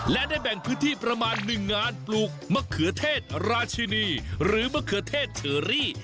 และได้แบ่งพื้นที่ตาม๑นานปลูกมะเขือเทศราชินีหรือเมริกาเทเธอรี่